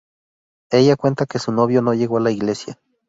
Ella cuenta que su novio no llegó a la iglesia.